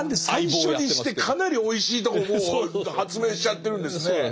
最初にしてかなりおいしいとこもう発明しちゃってるんですね。